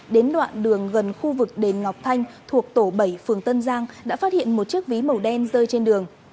đến đoạn đường gần khu vực đền ngọc thanh thuộc tổ bảy phường tân giang đã phát hiện một chiếc ví màu đen rơi trên đường